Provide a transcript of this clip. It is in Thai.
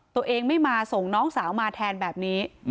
ตัวเองไม่มาส่งน้องสาวมาแทนแบบนี้